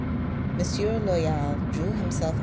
Monsieur Loyal drew himself up